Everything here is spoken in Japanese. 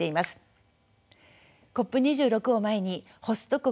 ＣＯＰ２６を前にホスト国